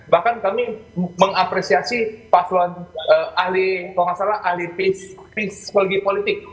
bahkan kami mengapresiasi paslon ahli kalau nggak salah ahli psikologi politik